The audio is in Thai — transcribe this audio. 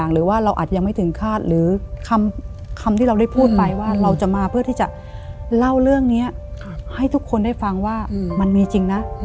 หรือว่าเราอาจยังไม่ถึงคาดหรือคำที่เราได้พูดไปว่าเราจะมาเพื่อที่จะเล่าเรื่องนี้ให้ทุกคนได้ฟังว่ามันมีจริงนะ